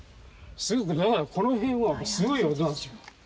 すごくだからこの辺はすごい音なんですよ。